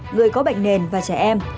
người có bệnh nền và trẻ em